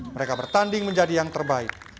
mereka bertanding menjadi yang terbaik